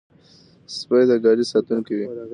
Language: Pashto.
سپي د ګاډي ساتونکي وي.